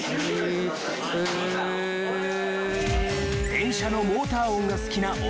［電車のモーター音が好きな］